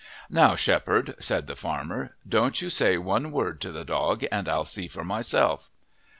"Now, shepherd," said the farmer, "don't you say one word to the dog and I'll see for myself."